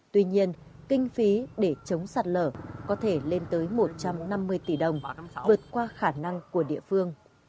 tuy nhiên kinh phí để chống sạt lở có thể lên tới một trăm năm mươi tỷ đồng vượt qua khả năng của địa phương